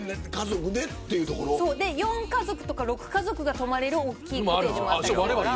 ４家族とか６家族が泊まれる大きいコテージもあるから。